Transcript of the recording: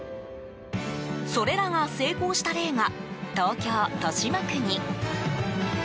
それらが成功した例が東京・豊島区に。